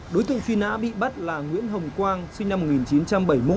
đối tượng truy nã bị bắt là nguyễn hồng quang sinh năm một nghìn chín trăm bảy mươi một